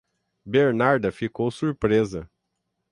Bernarda ficou surpresa.